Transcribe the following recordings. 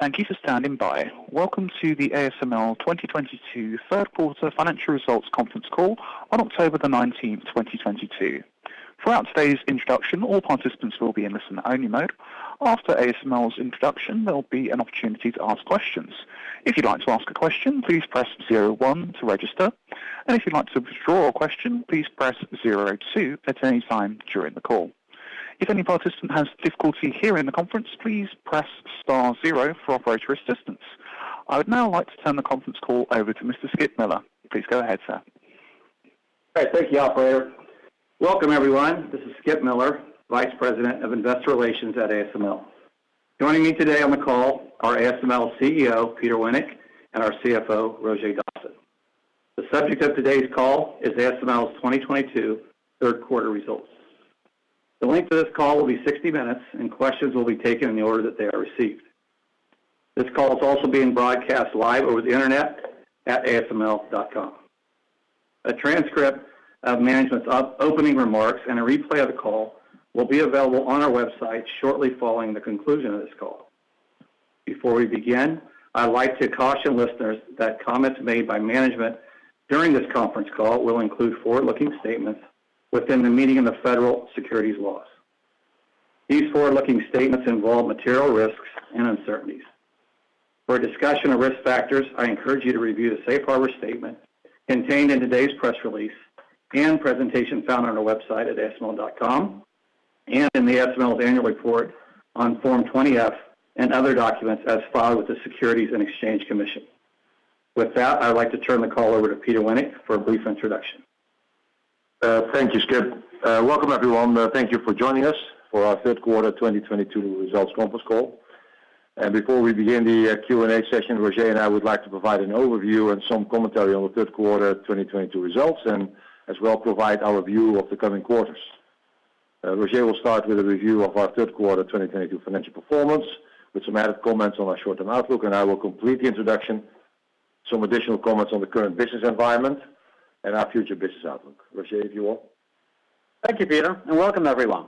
Thank you for standing by. Welcome to the ASML 2022 third quarter financial results conference call on October 19, 2022. Throughout today's introduction, all participants will be in listen-only mode. After ASML's introduction, there'll be an opportunity to ask questions. If you'd like to ask a question, please press zero one to register, and if you'd like to withdraw a question, please press zero two at any time during the call. If any participant has difficulty hearing the conference, please press star zero for operator assistance. I would now like to turn the conference call over to Mr. Skip Miller. Please go ahead, sir. All right. Thank you, operator. Welcome, everyone. This is Skip Miller, Vice President of Investor Relations at ASML. Joining me today on the call are ASML CEO, Peter Wennink, and our CFO, Roger Dassen. The subject of today's call is ASML's 2022 third quarter results. The length of this call will be 60 minutes, and questions will be taken in the order that they are received. This call is also being broadcast live over the Internet at asml.com. A transcript of management's opening remarks and a replay of the call will be available on our website shortly following the conclusion of this call. Before we begin, I would like to caution listeners that comments made by management during this conference call will include forward-looking statements within the meaning of the federal securities laws. These forward-looking statements involve material risks and uncertainties. For a discussion of risk factors, I encourage you to review the safe harbor statement contained in today's press release and presentation found on our website at asml.com and in the ASML's annual report on Form 20-F and other documents as filed with the Securities and Exchange Commission. With that, I'd like to turn the call over to Peter Wennink for a brief introduction. Thank you, Skip. Welcome, everyone. Thank you for joining us for our third quarter 2022 results conference call. Before we begin the Q&A session, Roger and I would like to provide an overview and some commentary on the third quarter 2022 results, and as well provide our view of the coming quarters. Roger will start with a review of our third quarter 2022 financial performance with some added comments on our short-term outlook, and I will complete the introduction, some additional comments on the current business environment and our future business outlook. Roger, if you will. Thank you, Peter, and welcome everyone.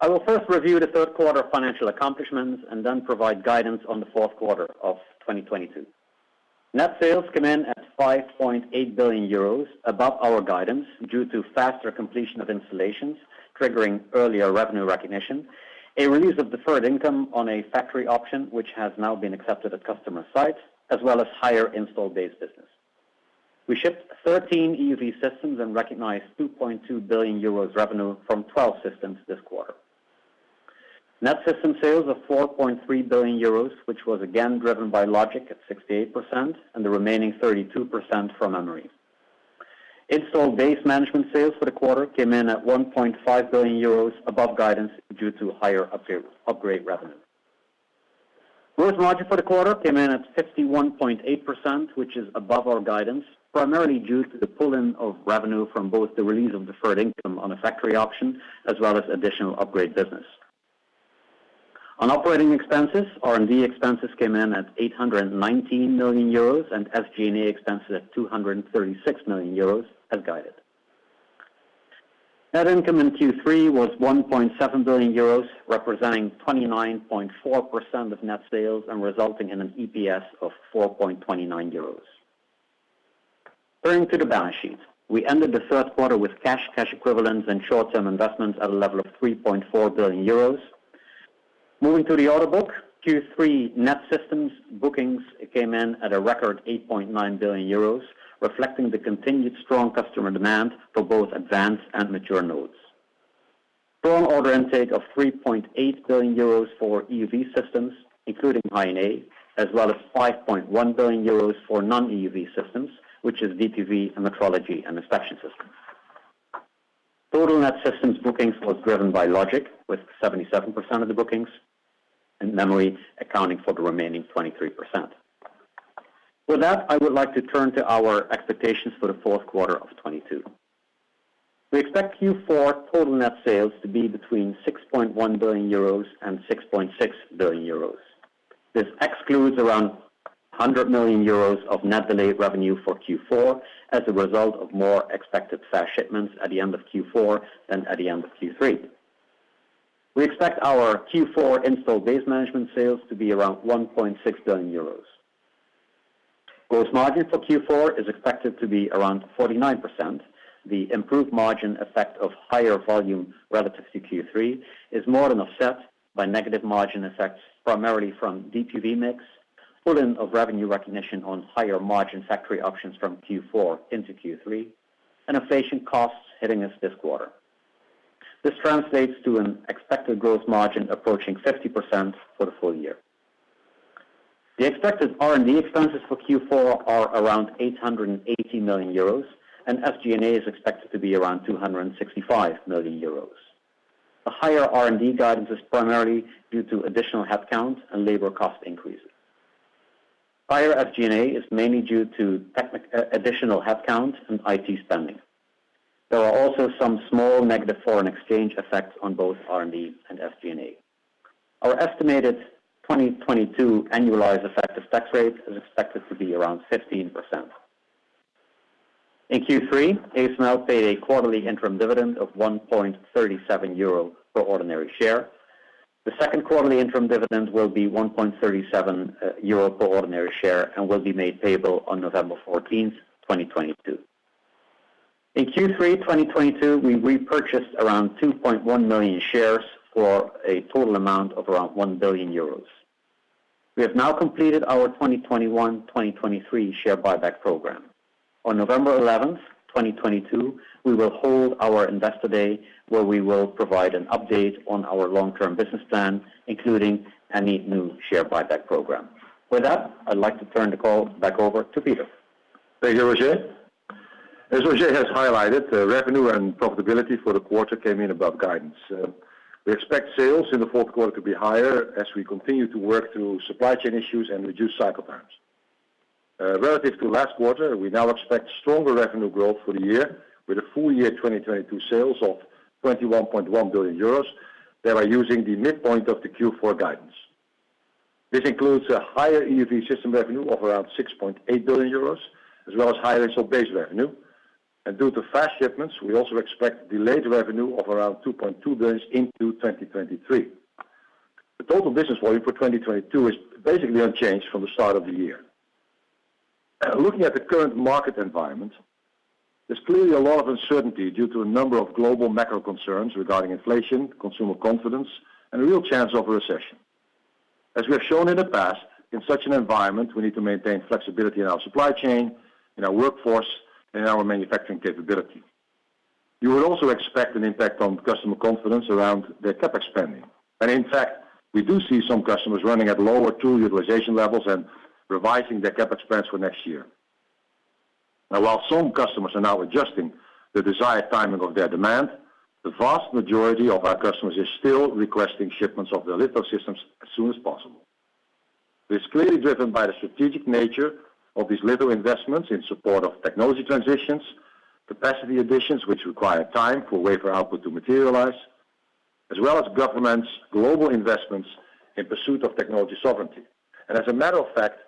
I will first review the third quarter financial accomplishments and then provide guidance on the fourth quarter of 2022. Net sales come in at 5.8 billion euros above our guidance due to faster completion of installations, triggering earlier revenue recognition, a release of deferred income on a factory option which has now been accepted at customer sites, as well as higher installed base business. We shipped 13 EUV systems and recognized 2.2 billion euros revenue from 12 systems this quarter. Net system sales of 4.3 billion euros, which was again driven by logic at 68% and the remaining 32% from memory. Installed base management sales for the quarter came in at 1.5 billion euros above guidance due to higher upgrade revenue. Gross margin for the quarter came in at 61.8%, which is above our guidance, primarily due to the pull-in of revenue from both the release of deferred income on a factory option as well as additional upgrade business. On operating expenses, R&D expenses came in at 819 million euros and SG&A expenses at 236 million euros as guided. Net income in Q3 was 1.7 billion euros, representing 29.4% of net sales and resulting in an EPS of 4.29 euros. Turning to the balance sheet. We ended the third quarter with cash equivalents, and short-term investments at a level of 3.4 billion euros. Moving to the order book, Q3 net systems bookings came in at a record 8.9 billion euros, reflecting the continued strong customer demand for both advanced and mature nodes. Strong order intake of 3.8 billion euros for EUV systems, including high NA, as well as 5.1 billion euros for non-EUV systems, which is DUV and metrology and inspection systems. Total net systems bookings was driven by logic with 77% of the bookings and memory accounting for the remaining 23%. With that, I would like to turn to our expectations for the fourth quarter of 2022. We expect Q4 total net sales to be between 6.1 billion euros and 6.6 billion euros. This excludes around 100 million euros of net delayed revenue for Q4 as a result of more expected fast shipments at the end of Q4 than at the end of Q3. We expect our Q4 installed base management sales to be around 1.6 billion euros. Gross margin for Q4 is expected to be around 49%. The improved margin effect of higher volume relative to Q3 is more than offset by negative margin effects, primarily from DUV mix, pull-in of revenue recognition on higher margin factory options from Q4 into Q3, and inflation costs hitting us this quarter. This translates to an expected gross margin approaching 50% for the full year. The expected R&D expenses for Q4 are around 880 million euros, and SG&A is expected to be around 265 million euros. The higher R&D guidance is primarily due to additional headcount and labor cost increases. Higher SG&A is mainly due to additional headcount and IT spending. There are also some small negative foreign exchange effects on both R&D and SG&A. Our estimated 2022 annualized effective tax rate is expected to be around 15%. In Q3, ASML paid a quarterly interim dividend of 1.37 euro per ordinary share. The second quarterly interim dividend will be 1.37 euro per ordinary share and will be made payable on November 14, 2022. In Q3 2022, we repurchased around 2.1 million shares for a total amount of around 1 billion euros. We have now completed our 2021-2023 share buyback program. On November 11, 2022, we will hold our Investor Day, where we will provide an update on our long-term business plan, including any new share buyback program. With that, I'd like to turn the call back over to Peter. Thank you, Roger. As Roger has highlighted, the revenue and profitability for the quarter came in above guidance. We expect sales in the fourth quarter to be higher as we continue to work through supply chain issues and reduce cycle times. Relative to last quarter, we now expect stronger revenue growth for the year with a full year 2022 sales of 21.1 billion euros that are using the midpoint of the Q4 guidance. This includes a higher EUV system revenue of around 6.8 billion euros, as well as high install base revenue. Due to fast shipments, we also expect delayed revenue of around 2.2 billion into 2023. The total business volume for 2022 is basically unchanged from the start of the year. Looking at the current market environment, there's clearly a lot of uncertainty due to a number of global macro concerns regarding inflation, consumer confidence, and a real chance of recession. As we have shown in the past, in such an environment, we need to maintain flexibility in our supply chain, in our workforce, and in our manufacturing capability. You would also expect an impact on customer confidence around their CapEx spending. In fact, we do see some customers running at lower tool utilization levels and revising their CapEx spends for next year. Now while some customers are now adjusting the desired timing of their demand, the vast majority of our customers are still requesting shipments of their litho systems as soon as possible. This is clearly driven by the strategic nature of these litho investments in support of technology transitions, capacity additions which require time for wafer output to materialize, as well as governments global investments in pursuit of technology sovereignty. As a matter of fact,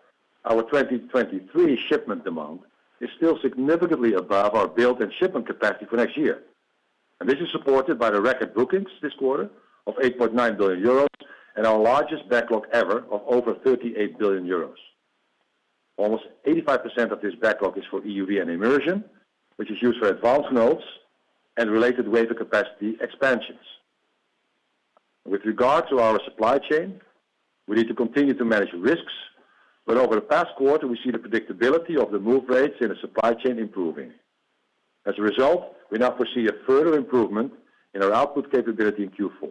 our 2023 shipment demand is still significantly above our build and shipment capacity for next year. This is supported by the record bookings this quarter of 8.9 billion euros and our largest backlog ever of over 38 billion euros. Almost 85% of this backlog is for EUV and immersion, which is used for advanced nodes and related wafer capacity expansions. With regard to our supply chain, we need to continue to manage risks, but over the past quarter, we see the predictability of the move rates in the supply chain improving. As a result, we now foresee a further improvement in our output capability in Q4.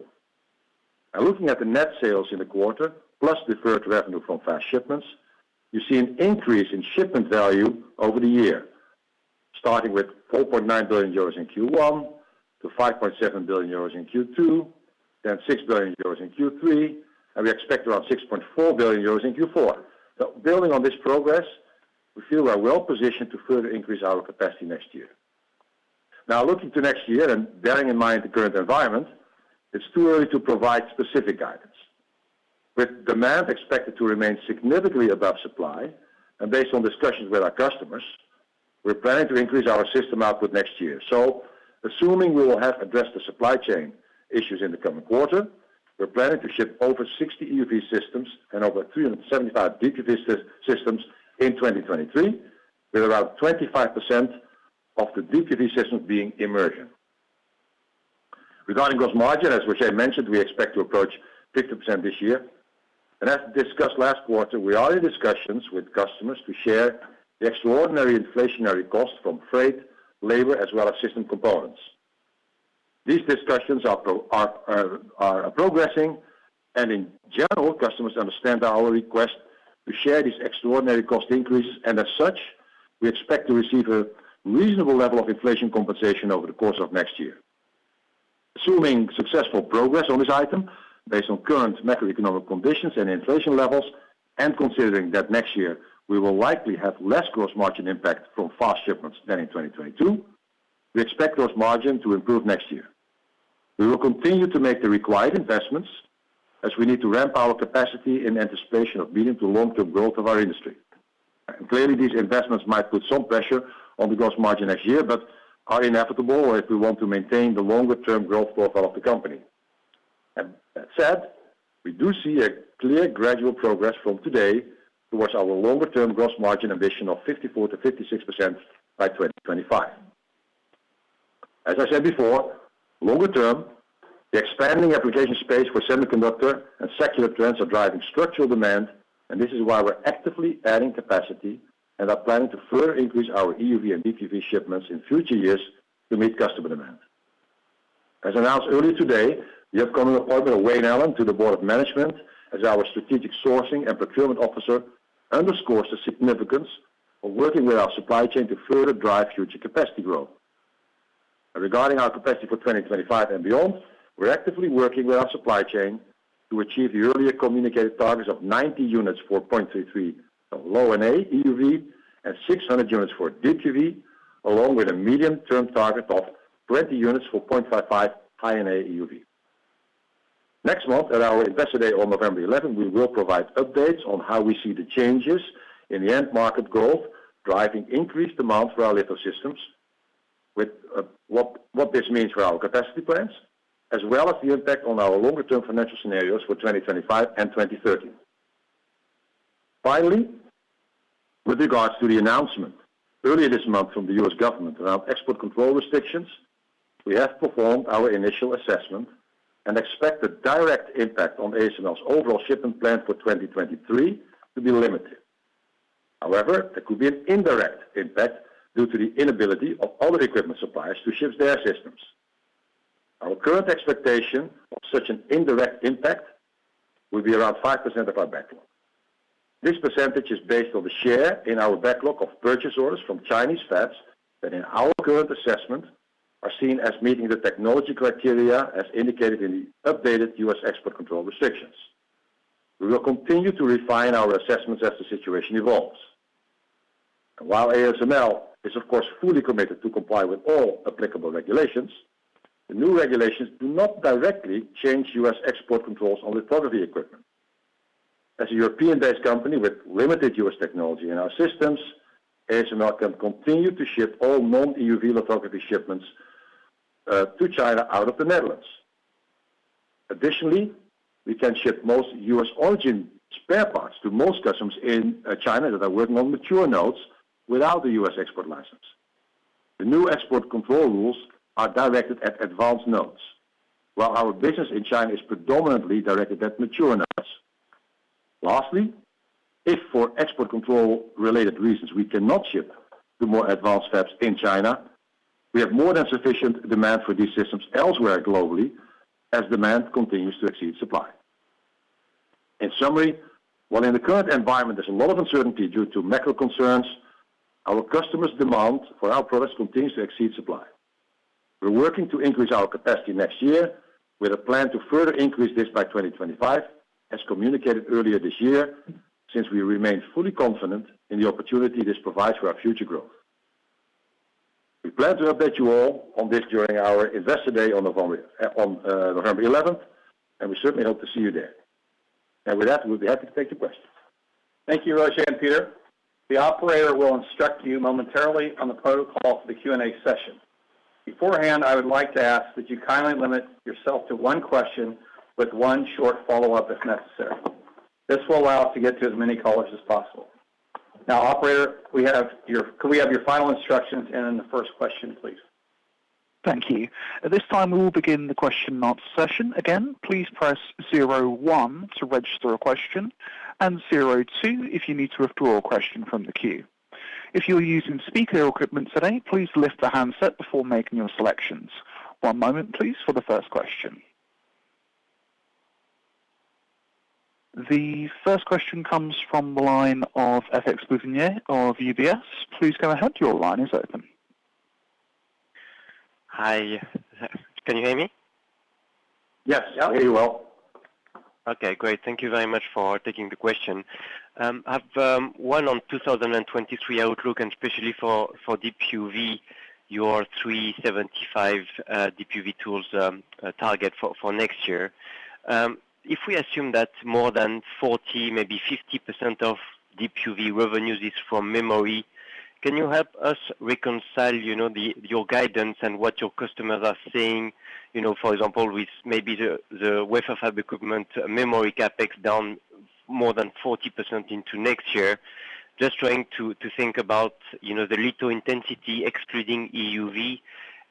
Now looking at the net sales in the quarter plus deferred revenue from fast shipments, you see an increase in shipment value over the year, starting with 4.9 billion euros in Q1 to 5.7 billion euros in Q2, then 6 billion euros in Q3, and we expect around 6.4 billion euros in Q4. Building on this progress, we feel we are well positioned to further increase our capacity next year. Now looking to next year and bearing in mind the current environment, it's too early to provide specific guidance. With demand expected to remain significantly above supply and based on discussions with our customers, we're planning to increase our system output next year. Assuming we will have addressed the supply chain issues in the coming quarter, we're planning to ship over 60 EUV systems and over 375 DUV systems in 2023, with about 25% of the DUV systems being immersion. Regarding gross margin, as I mentioned, we expect to approach 50% this year. As discussed last quarter, we are in discussions with customers to share the extraordinary inflationary costs from freight, labor, as well as system components. These discussions are progressing, and in general, customers understand our request to share these extraordinary cost increases. As such, we expect to receive a reasonable level of inflation compensation over the course of next year. Assuming successful progress on this item based on current macroeconomic conditions and inflation levels, and considering that next year we will likely have less gross margin impact from fast shipments than in 2022, we expect gross margin to improve next year. We will continue to make the required investments as we need to ramp our capacity in anticipation of medium to long-term growth of our industry. Clearly, these investments might put some pressure on the gross margin next year, but are inevitable if we want to maintain the longer-term growth profile of the company. That said, we do see a clear gradual progress from today towards our longer-term gross margin ambition of 54%-56% by 2025. As I said before, longer term, the expanding application space for semiconductor and secular trends are driving structural demand, and this is why we're actively adding capacity and are planning to further increase our EUV and DUV shipments in future years to meet customer demand. As announced earlier today, the upcoming appointment of Wayne Allan to the board of management as our strategic sourcing and procurement officer underscores the significance of working with our supply chain to further drive future capacity growth. Regarding our capacity for 2025 and beyond, we're actively working with our supply chain to achieve the earlier communicated targets of 90 units for 0.33 low-NA EUV and 600 units for DUV, along with a medium-term target of 20 units for 0.55 high-NA EUV. Next month at our Investor Day on November 11, we will provide updates on how we see the changes in the end market growth, driving increased demand for our litho systems with what this means for our capacity plans, as well as the impact on our longer-term financial scenarios for 2025 and 2030. Finally, with regards to the announcement earlier this month from the U.S. government around export control restrictions, we have performed our initial assessment and expect the direct impact on ASML's overall shipment plan for 2023 to be limited. However, there could be an indirect impact due to the inability of other equipment suppliers to ship their systems. Our current expectation of such an indirect impact will be around 5% of our backlog. This percentage is based on the share in our backlog of purchase orders from Chinese fabs that in our current assessment, are seen as meeting the technology criteria as indicated in the updated U.S. export control restrictions. We will continue to refine our assessments as the situation evolves. While ASML is of course, fully committed to comply with all applicable regulations, the new regulations do not directly change U.S. export controls on lithography equipment. As a European-based company with limited U.S. technology in our systems, ASML can continue to ship all non-EUV lithography shipments to China out of the Netherlands. Additionally, we can ship most U.S.-origin spare parts to most customers in China that are working on mature nodes without the U.S. export license. The new export control rules are directed at advanced nodes, while our business in China is predominantly directed at mature nodes. Lastly, if for export control related reasons, we cannot ship to more advanced fabs in China, we have more than sufficient demand for these systems elsewhere globally as demand continues to exceed supply. In summary, while in the current environment there's a lot of uncertainty due to macro concerns, our customers' demand for our products continues to exceed supply. We're working to increase our capacity next year with a plan to further increase this by 2025, as communicated earlier this year since we remain fully confident in the opportunity this provides for our future growth. We plan to update you all on this during our Investor Day on November 11th, and we certainly hope to see you there. With that, we'll be happy to take your questions. Thank you, Roger and Peter. The operator will instruct you momentarily on the protocol for the Q&A session. Beforehand, I would like to ask, would you kindly limit yourself to one question with one short follow-up if necessary. This will allow us to get to as many callers as possible. Now, operator, could we have your final instructions and then the first question, please. Thank you. At this time, we will begin the question and answer session. Again, please press zero one to register a question and zero two if you need to withdraw a question from the queue. If you're using speaker equipment today, please lift the handset before making your selections. One moment, please, for the first question. The first question comes from the line of Francois-Xavier Bouvignies of UBS. Please go ahead. Your line is open. Hi, can you hear me? Yes. Yeah. Very well. Okay, great. Thank you very much for taking the question. I have one on 2023 outlook, and especially for Deep UV, your 375 Deep UV tools target for next year. If we assume that more than 40, maybe 50% of Deep UV revenues is from memory, can you help us reconcile you know, your guidance and what your customers are saying, you know, for example, with maybe the wafer fab equipment memory CapEx down more than 40% into next year? Just trying to think about you know, the litho intensity excluding EUV.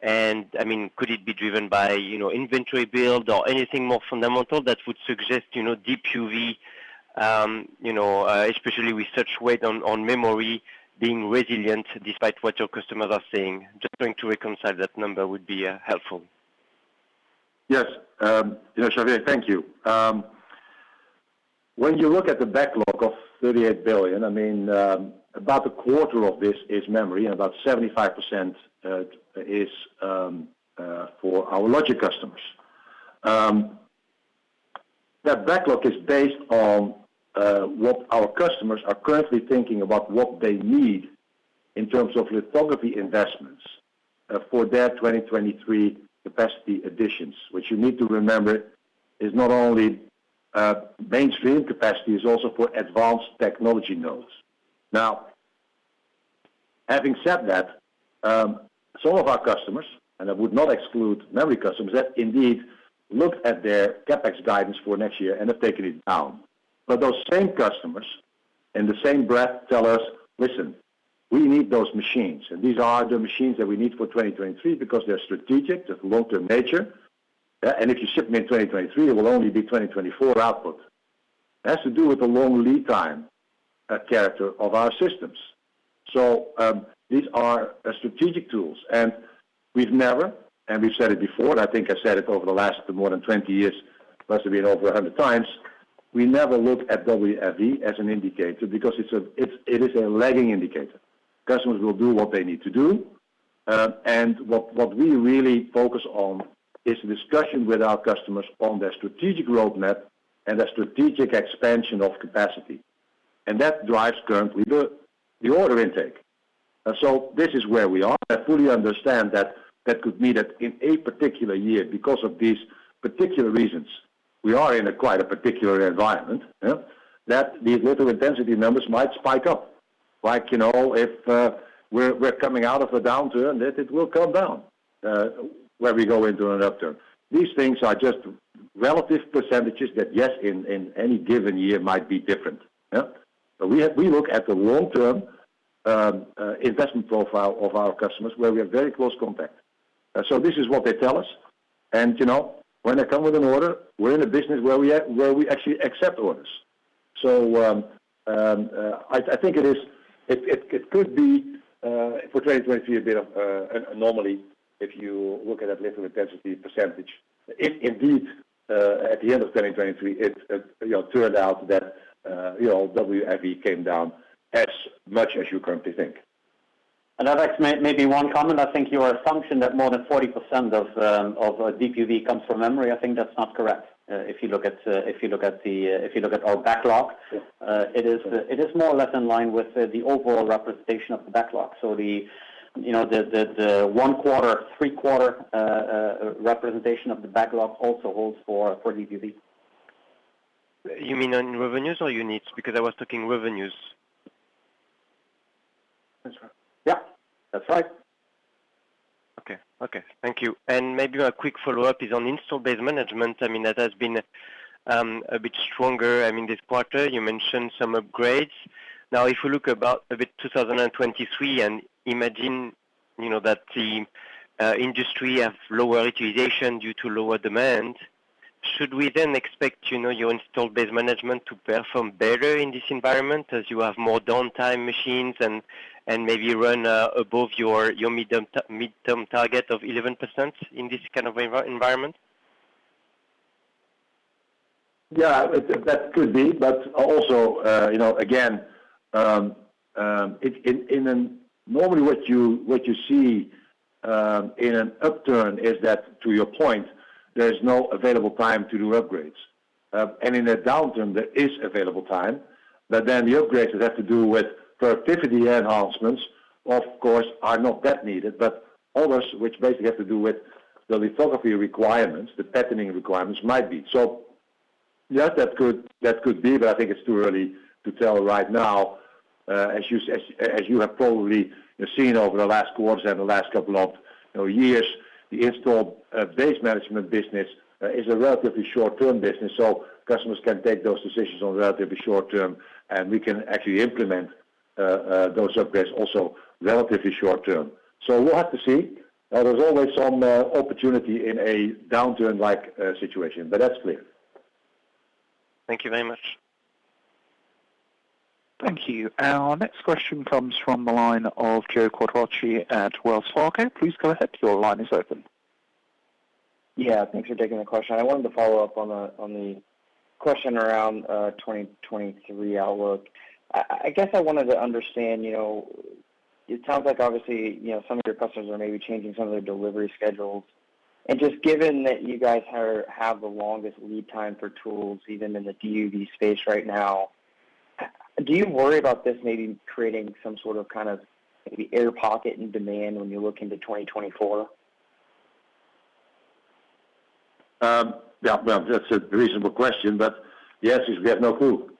I mean, could it be driven by you know, inventory build or anything more fundamental that would suggest you know, Deep UV especially with such weight on memory being resilient despite what your customers are saying? Just trying to reconcile that number would be helpful. Yes, you know, Xavier, thank you. When you look at the backlog of 38 billion, I mean, about a quarter of this is memory, and about 75% is for our logic customers. That backlog is based on what our customers are currently thinking about what they need in terms of lithography investments for their 2023 capacity additions, which you need to remember is not only mainstream capacity, it's also for advanced technology nodes. Now, having said that, some of our customers, and I would not exclude memory customers, have indeed looked at their CapEx guidance for next year and have taken it down. Those same customers in the same breath tell us, "Listen, we need those machines, and these are the machines that we need for 2023 because they're strategic, they're long-term nature. If you ship me in 2023, it will only be 2024 output." It has to do with the long lead time, character of our systems. These are strategic tools, and we've never, and we've said it before, and I think I've said it over the last more than 20 years, must have been over 100 times, we never look at WFE as an indicator because it is a lagging indicator. Customers will do what they need to do. What we really focus on is discussion with our customers on their strategic roadmap and their strategic expansion of capacity. That drives currently the order intake. This is where we are. I fully understand that could mean that in a particular year, because of these particular reasons, we are in a quite particular environment. That the little intensity numbers might spike up. Like, you know, if we're coming out of a downturn, that it will come down when we go into an upturn. These things are just relative percentages that, yes, in any given year might be different. Yeah. But we look at the long-term investment profile of our customers where we have very close contact. So this is what they tell us. You know, when they come with an order, we're in a business where we actually accept orders. I think it could be for 2023 a bit off, normally, if you look at that little intensity percentage. If indeed, at the end of 2023, it you know turned out that you know, WFE came down as much as you currently think. Alex, maybe one comment. I think your assumption that more than 40% of DUV comes from memory, I think that's not correct. If you look at our backlog. Yeah. It is more or less in line with the overall representation of the backlog. You know, the one-quarter, three-quarter representation of the backlog also holds for DUV. You mean on revenues or units? Because I was talking revenues. That's right. Yeah, that's right. Okay. Thank you. Maybe a quick follow-up is on install base management. I mean, that has been a bit stronger. I mean, this quarter, you mentioned some upgrades. Now, if you look about a bit 2023 and imagine, you know, that the industry have lower utilization due to lower demand, should we then expect, you know, your install base management to perform better in this environment as you have more downtime machines and maybe run above your midterm target of 11% in this kind of environment? Yeah, that could be. Also, you know, again, normally what you see in an upturn is that, to your point, there's no available time to do upgrades. In a downturn, there is available time, but then the upgrades that have to do with productivity enhancements, of course, are not that needed. Others, which basically have to do with the lithography requirements, the patterning requirements might be. Yes, that could be, but I think it's too early to tell right now, as you have probably seen over the last quarter and the last couple of, you know, years, the installed base management business is a relatively short-term business, so customers can take those decisions on relatively short-term, and we can actually implement those upgrades also relatively short-term. We'll have to see. There's always some opportunity in a downturn-like situation, but that's clear. Thank you very much. Thank you. Our next question comes from the line of Joe Quatrochi at Wells Fargo. Please go ahead. Your line is open. Yeah, thanks for taking the question. I wanted to follow up on the question around 2023 outlook. I guess I wanted to understand, you know, it sounds like obviously, you know, some of your customers are maybe changing some of their delivery schedules. Just given that you guys have the longest lead time for tools, even in the DUV space right now, do you worry about this maybe creating some sort of kind of maybe air pocket in demand when you look into 2024? Yeah. Well, that's a reasonable question, but the answer is we have no clue,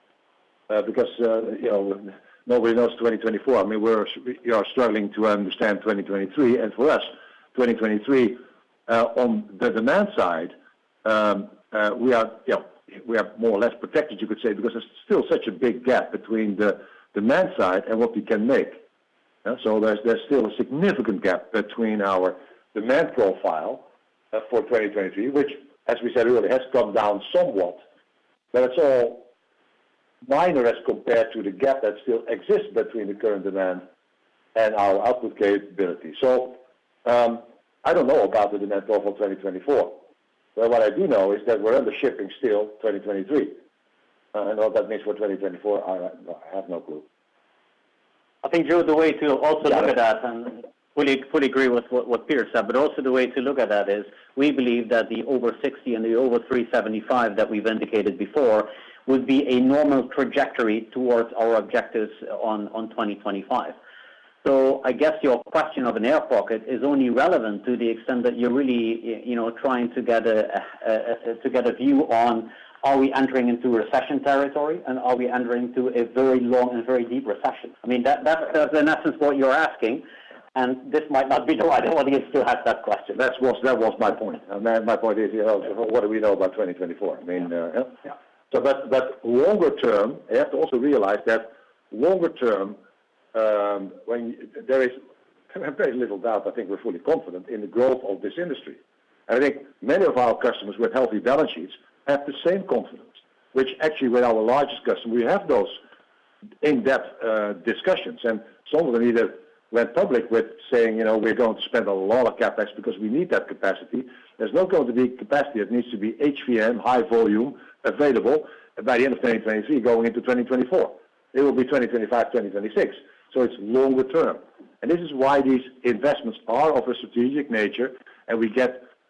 because, you know, nobody knows 2024. I mean, we are struggling to understand 2023. For us, 2023, on the demand side, we are, you know, we are more or less protected, you could say, because there's still such a big gap between the demand side and what we can make. There's still a significant gap between our demand profile, for 2023, which, as we said earlier, has come down somewhat, but it's all minor as compared to the gap that still exists between the current demand and our output capability. I don't know about the demand profile 2024. What I do know is that we're undershipping still 2023. What that means for 2024, I have no clue. I think, Joe, the way to also look at that, and fully agree with what Peter said, but also the way to look at that is we believe that the over 60 and the over 375 that we've indicated before would be a normal trajectory towards our objectives on 2025. I guess your question of an air pocket is only relevant to the extent that you're really, you know, trying to get a view on are we entering into recession territory and are we entering into a very long and very deep recession? I mean, that's in essence what you're asking, and this might not be the right audience to ask that question. That was my point. My point is, you know, what do we know about 2024? I mean, yeah. Yeah. Longer term, you have to also realize that longer term, when there is very little doubt, I think we're fully confident in the growth of this industry. I think many of our customers with healthy balance sheets have the same confidence, which actually with our largest customer, we have those in-depth discussions. Some of them either went public with saying, you know, we're going to spend a lot of CapEx because we need that capacity. There's not going to be capacity that needs to be HVM, high volume, available by the end of 2023 going into 2024. It will be 2025, 2026. It's longer term. This is why these investments are of a strategic nature, and we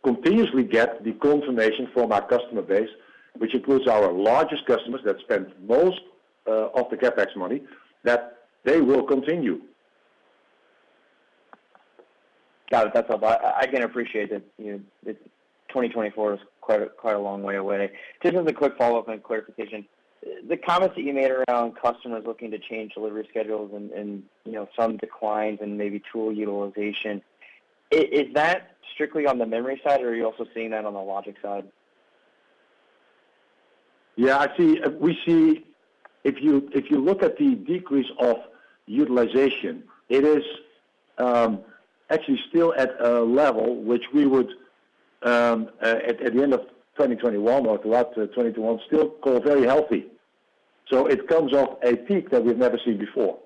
continuously get the confirmation from our customer base, which includes our largest customers that spend most of the CapEx money that they will continue. Got it. That's a lot. I can appreciate that, you know, that 2024 is quite a long way away. Just as a quick follow-up and clarification. The comments that you made around customers looking to change delivery schedules and, you know, some declines and maybe tool utilization. Is that strictly on the memory side, or are you also seeing that on the logic side? Yeah, we see if you look at the decrease of utilization, it is actually still at a level which we would at the end of 2021 or throughout 2021 still call very healthy. It comes off a peak that we've never seen before.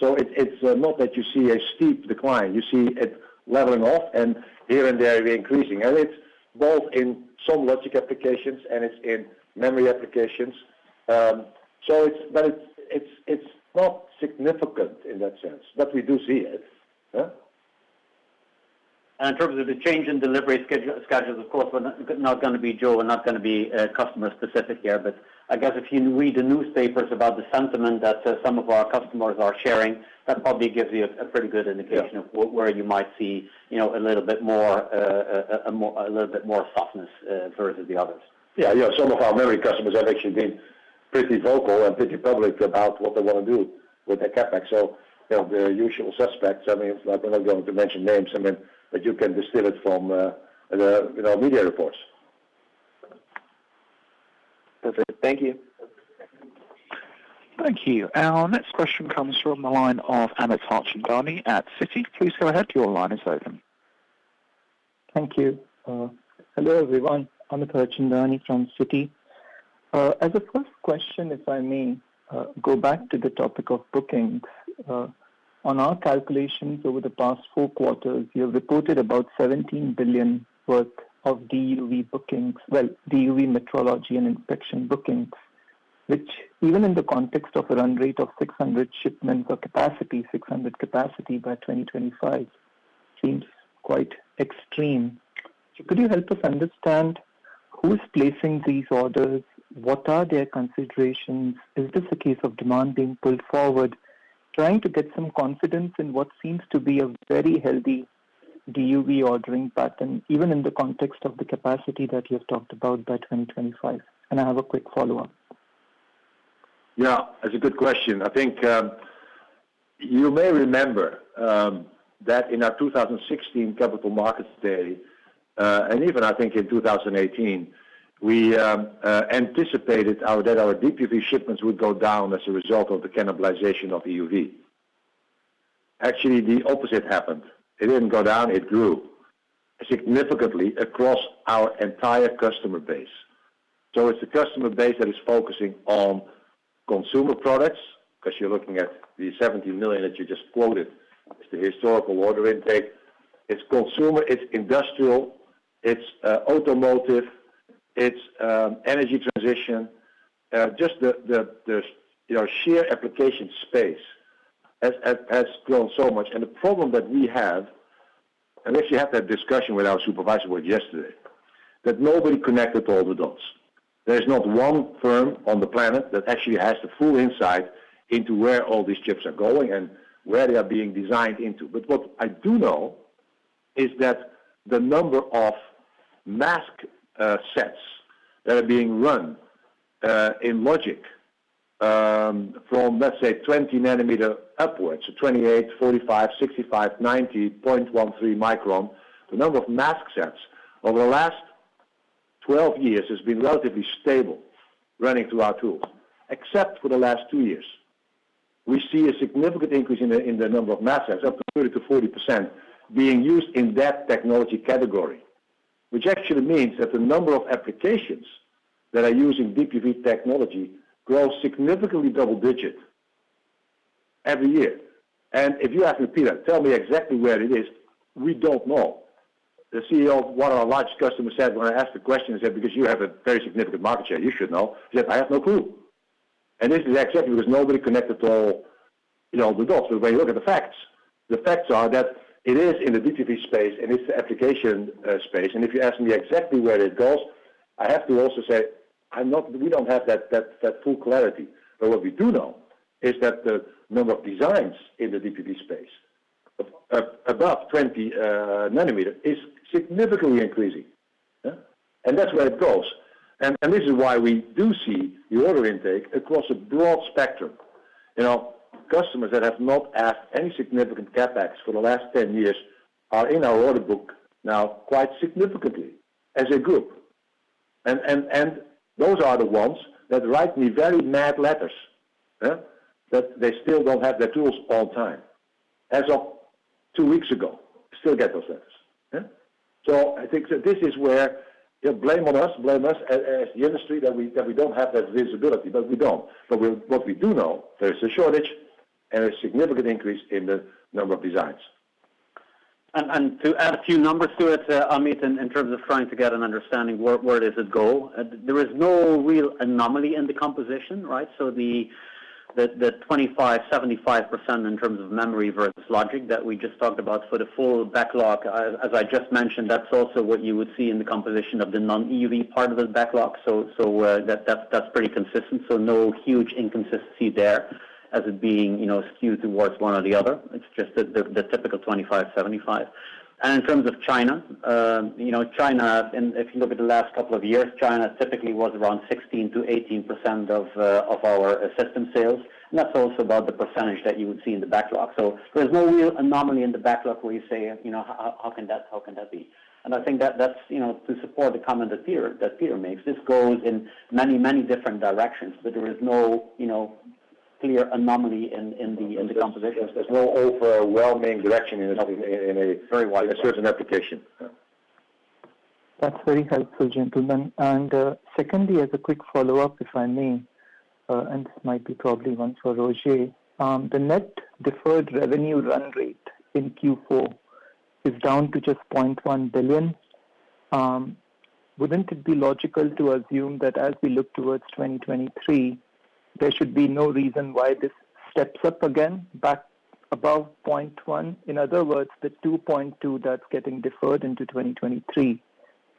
It's not that you see a steep decline. You see it leveling off and here and there increasing. It's both in some logic applications and it's in memory applications. It's not significant in that sense, but we do see it. Yeah. In terms of the change in delivery schedules, of course, we're not gonna be customer specific here. I guess if you read the newspapers about the sentiment that some of our customers are sharing, that probably gives you a pretty good indication. Yeah. of where you might see, you know, a little bit more softness versus the others. Yeah. Some of our memory customers have actually been pretty vocal and pretty public about what they want to do with their CapEx. You know, the usual suspects. I mean, it's like we're not going to mention names. I mean, but you can distill it from the, you know, media reports. Perfect. Thank you. Thank you. Our next question comes from the line of Amit Harchandani at Citi. Please go ahead. Your line is open. Thank you. Hello, everyone. Amit Harchandani from Citi. As a first question, if I may, go back to the topic of bookings. On our calculations over the past four quarters, you have reported about 17 billion worth of DUV bookings. Well, DUV metrology and inspection bookings, which even in the context of a run rate of 600 shipments or capacity, 600 capacity by 2025, seems quite extreme. Could you help us understand who's placing these orders? What are their considerations? Is this a case of demand being pulled forward? Trying to get some confidence in what seems to be a very healthy DUV ordering pattern, even in the context of the capacity that you have talked about by 2025. I have a quick follow-up. Yeah, that's a good question. I think you may remember that in our 2016 Capital Markets Day, and even I think in 2018, we anticipated that our DUV shipments would go down as a result of the cannibalization of EUV. Actually, the opposite happened. It didn't go down. It grew significantly across our entire customer base. It's a customer base that is focusing on consumer products, 'cause you're looking at the 17 million that you just quoted. It's the historical order intake. It's consumer, it's industrial, it's automotive, it's energy transition. Just the you know sheer application space has grown so much. The problem that we have, and we actually had that discussion with our supervisor yesterday, that nobody connected all the dots. There is not one firm on the planet that actually has the full insight into where all these chips are going and where they are being designed into. What I do know is that the number of mask sets that are being run in logic from, let's say, 20 nanometer upwards to 28, 45, 65, 90.13 micron. The number of mask sets over the last 12 years has been relatively stable running through our tools, except for the last two years. We see a significant increase in the number of mask sets, up to 30%-40% being used in that technology category, which actually means that the number of applications that are using DUV technology grow significantly double digit every year. If you ask me, Peter, tell me exactly where it is, we don't know. The CEO of one of our large customers said when I asked the question, he said, "Because you have a very significant market share, you should know." He said, "I have no clue." This is exactly because nobody connected all, you know, the dots. When you look at the facts, the facts are that it is in the DUV space and it's the application space. If you ask me exactly where it goes, I have to also say, I'm not. We don't have that full clarity. What we do know is that the number of designs in the DUV space of above 20 nanometer is significantly increasing. Yeah. That's where it goes. This is why we do see the order intake across a broad spectrum. You know, customers that have not asked any significant CapEx for the last 10 years are in our order book now quite significantly as a group. Those are the ones that write me very mad letters, yeah, that they still don't have their tools on time. As of two weeks ago, still get those letters. Yeah. I think that this is where you blame on us, blame us as the industry that we don't have that visibility, but we don't. What we do know there's a shortage and a significant increase in the number of designs. To add a few numbers to it, Amit, in terms of trying to get an understanding where does it go? There is no real anomaly in the composition, right? The 25%-75% in terms of memory versus logic that we just talked about for the full backlog, as I just mentioned, that's also what you would see in the composition of the non-EUV part of the backlog. That's pretty consistent. No huge inconsistency there as it being, you know, skewed towards one or the other. It's just the typical 25%-75%. In terms of China, you know, and if you look at the last couple of years, China typically was around 16%-18% of our system sales. That's also about the percentage that you would see in the backlog. There's no real anomaly in the backlog where you say, you know, how can that be? I think that's, you know, to support the comment that Peter makes. This goes in many, many different directions, but there is no, you know, clear anomaly in the composition. There's no overall main direction. Very well. It serves an application. Yeah. That's very helpful, gentlemen. Secondly, as a quick follow-up, if I may, and this might be probably one for Roger. The net deferred revenue run rate in Q4 is down to just 0.1 billion. Wouldn't it be logical to assume that as we look towards 2023, there should be no reason why this steps up again back above 0.1 billion? In other words, the 2.2 billion that's getting deferred into 2023,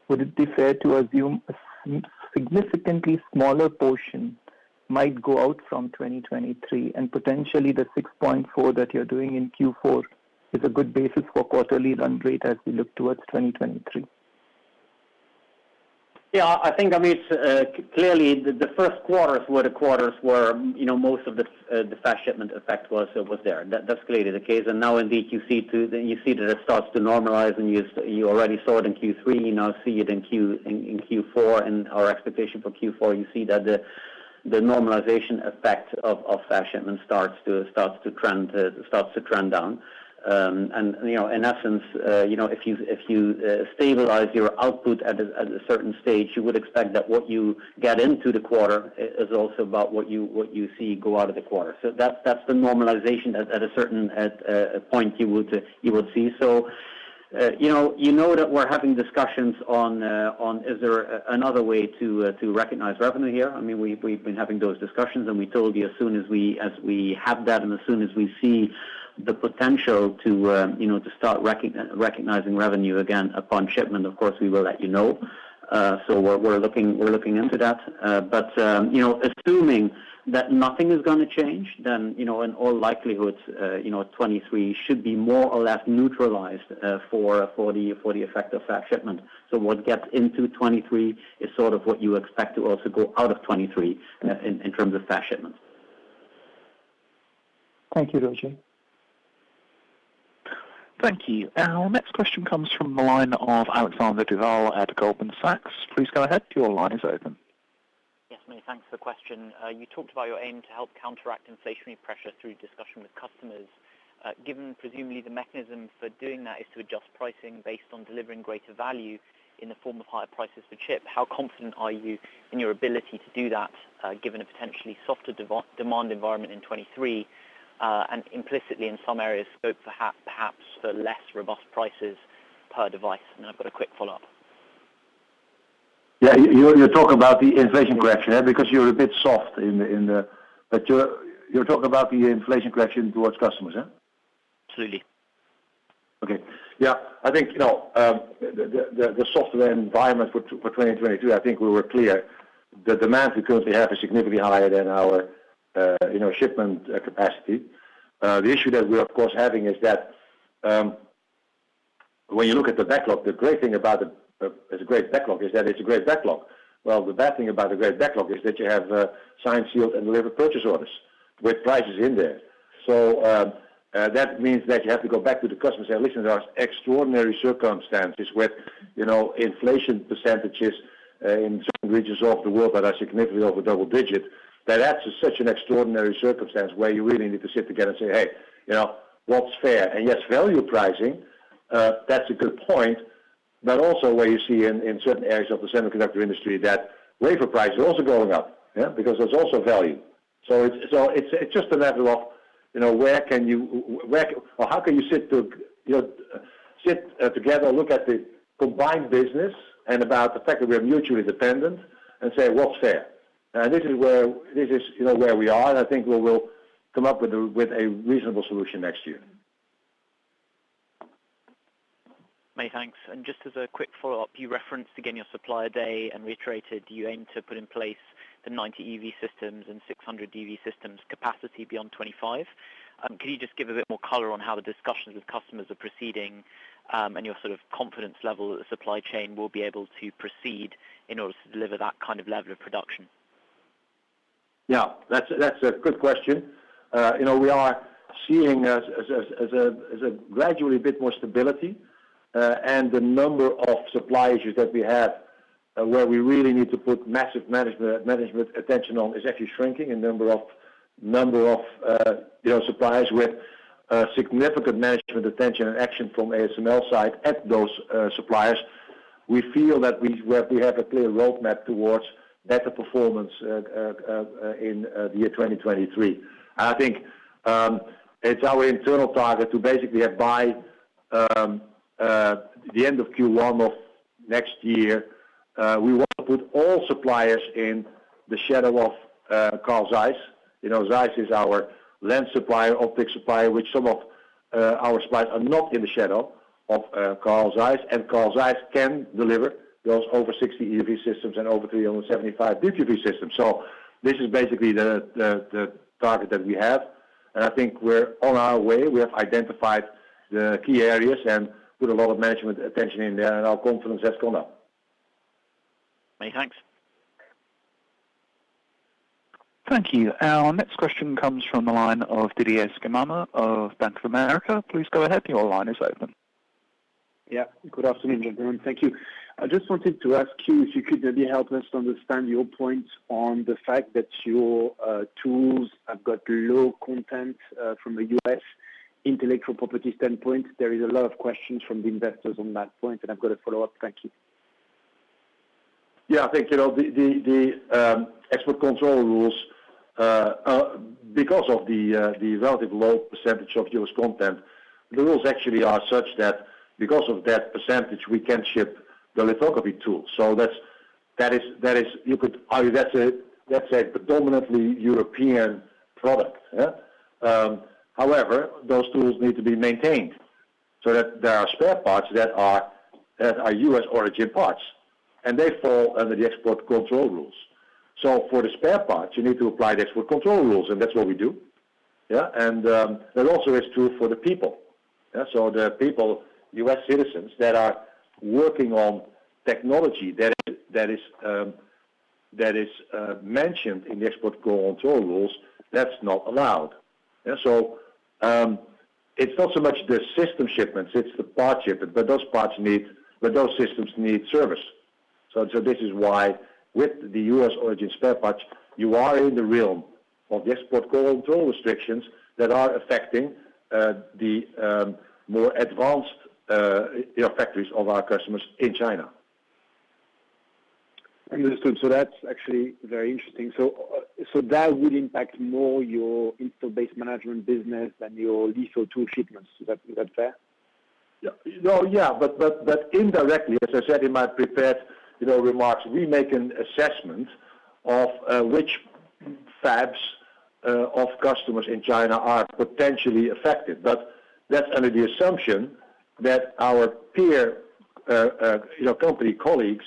would it be fair to assume a significantly smaller portion might go out from 2023, and potentially the 6.4 billion that you're doing in Q4 is a good basis for quarterly run rate as we look towards 2023? Yeah, I think, I mean, it's clearly the first quarters were the quarters where, you know, most of the fast shipment effect was there. That's clearly the case. Now indeed you see, you see that it starts to normalize, and you already saw it in Q3, now see it in Q4. Our expectation for Q4, you see that the normalization effect of fast shipment starts to trend down. You know, in essence, you know, if you stabilize your output at a certain stage, you would expect that what you get into the quarter is also about what you see go out of the quarter. That's the normalization at a certain point you would see. You know that we're having discussions on is there another way to recognize revenue here. I mean, we've been having those discussions, and we told you as soon as we have that, and as soon as we see the potential to start recognizing revenue again upon shipment, of course we will let you know. We're looking into that. You know, assuming that nothing is gonna change, then, you know, in all likelihood, you know, 2023 should be more or less neutralized for the effect of fast shipment. What gets into 2023 is sort of what you expect to also go out of 2023 in terms of fast shipment. Thank you, Roger. Thank you. Our next question comes from the line of Alexander Duval at Goldman Sachs. Please go ahead. Your line is open. Yes. Many thanks for the question. You talked about your aim to help counteract inflationary pressure through discussion with customers. Given presumably the mechanism for doing that is to adjust pricing based on delivering greater value in the form of higher prices for chip, how confident are you in your ability to do that, given a potentially softer demand environment in 2023, and implicitly in some areas scope perhaps for less robust prices per device? I've got a quick follow-up. Yeah. You're talking about the inflation correction, yeah? You're talking about the inflation correction towards customers, yeah? Absolutely. Okay. Yeah. I think, you know, the software environment for 2022, I think we were clear. The demand we currently have is significantly higher than our, you know, shipment capacity. The issue that we're of course having is that, when you look at the backlog, the great thing about it's a great backlog, is that it's a great backlog. Well, the bad thing about a great backlog is that you have, signed, sealed, and delivered purchase orders with prices in there. That means that you have to go back to the customer and say, "Listen, there are extraordinary circumstances with, you know, inflation percentages in certain regions of the world that are significantly over double-digit." That's such an extraordinary circumstance where you really need to sit together and say, "Hey, you know, what's fair?" Yes, value pricing, that's a good point. But also where you see in certain areas of the semiconductor industry that labor prices are also going up, yeah? Because there's also value. It's just a matter of, you know, where can you where or how can you sit to, you know, sit together, look at the combined business and about the fact that we are mutually dependent and say, "What's fair?" This is where, this is, you know, where we are. I think we will come up with a reasonable solution next year. Many thanks. Just as a quick follow-up, you referenced again your Supplier Day and reiterated you aim to put in place the 90 EUV systems and 600 EUV systems capacity beyond 2025. Can you just give a bit more color on how the discussions with customers are proceeding, and your sort of confidence level that the supply chain will be able to proceed in order to deliver that kind of level of production? Yeah. That's a good question. You know, we are seeing gradually a bit more stability, and the number of supply issues that we have where we really need to put massive management attention on is actually shrinking in number of you know suppliers with significant management attention and action from ASML side at those suppliers. We feel that we have a clear roadmap towards better performance in the year 2023. I think it's our internal target to basically have by the end of Q1 next year, we want to put all suppliers in the shadow of Carl Zeiss. You know, Zeiss is our lens supplier, optic supplier, which some of our suppliers are not in the shadow of Carl Zeiss, and Carl Zeiss can deliver those over 60 EUV systems and over 375 DUV systems. This is basically the target that we have, and I think we're on our way. We have identified the key areas and put a lot of management attention in there, and our confidence has gone up. Many thanks. Thank you. Our next question comes from the line of Didier Scemama of Bank of America. Please go ahead, your line is open. Yeah. Good afternoon, everyone. Thank you. I just wanted to ask you if you could maybe help us to understand your point on the fact that your tools have got low content from the U.S. intellectual property standpoint. There is a lot of questions from the investors on that point, and I've got a follow-up. Thank you. Yeah, I think, you know, the export control rules, because of the relatively low percentage of U.S. content, the rules actually are such that because of that percentage, we can ship the lithography tool. That's that is, you could argue that's a predominantly European product, yeah. However, those tools need to be maintained so that there are spare parts that are U.S. origin parts, and they fall under the export control rules. For the spare parts, you need to apply the export control rules, and that's what we do, yeah. That also is true for the people. Yeah, the people, U.S. citizens that are working on technology that is mentioned in the export control rules, that's not allowed. It's not so much the system shipments, it's the part shipment. Those systems need service. This is why with the U.S. origin spare parts, you are in the realm of the export control restrictions that are affecting the more advanced factories of our customers in China. Understood. That's actually very interesting. That would impact more your install base management business than your litho tool shipments. Is that fair? Indirectly, as I said in my prepared remarks, you know, we make an assessment of which fabs of customers in China are potentially affected. That's under the assumption that our peer company colleagues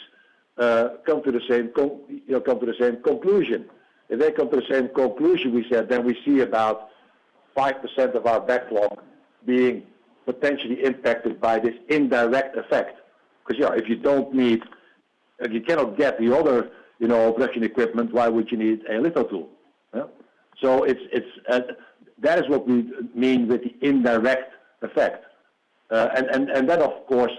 come to the same conclusion. If they come to the same conclusion, we said then we see about 5% of our backlog being potentially impacted by this indirect effect. Because, you know, if you cannot get the other, you know, production equipment, why would you need a litho tool, yeah? It's that is what we mean with the indirect effect. That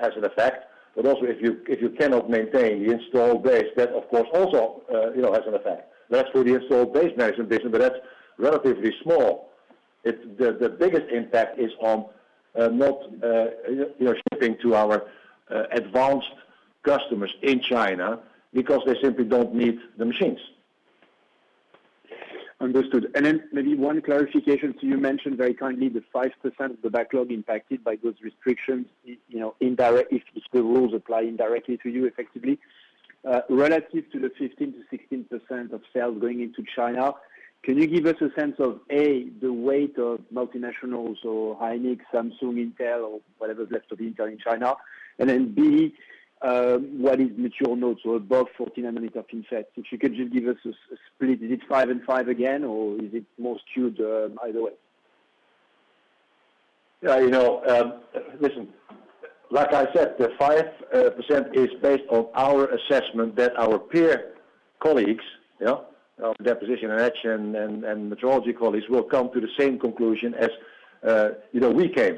has an effect. Also if you cannot maintain the installed base, that of course also you know has an effect. That's for the installed base management business, but that's relatively small. It's the biggest impact on not you know shipping to our advanced customers in China because they simply don't need the machines. Understood. Maybe one clarification. You mentioned very kindly the 5% of the backlog impacted by those restrictions, you know, indirect, if the rules apply indirectly to you effectively, relative to the 15%-16% of sales going into China. Can you give us a sense of, A, the weight of multinationals or SK hynix, Samsung, Intel or whatever's left of Intel in China, and then, B, what is mature nodes or above 14 nanometer FinFET? If you could just give us a split. Is it five and five again or is it more skewed either way? Yeah, you know, listen, like I said, the 5% is based on our assessment that our peer colleagues, you know, of deposition and etch and metrology colleagues will come to the same conclusion as, you know, we came.